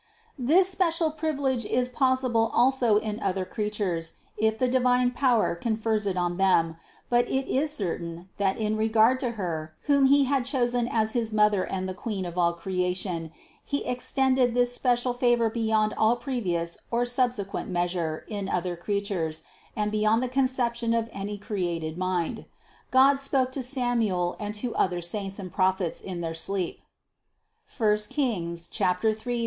This special privilege is possible also in other creatures, if the divine power confers it on them; but it is certain that in regard to Her whom He had chosen as his Mother and the Queen of all creation, He extended this special favor beyond all previous or subsequent meas ure in other creatures and beyond the conception of any created mind. God spoke to Samuel and to other saints and Prophets in their sleep, (I Reg.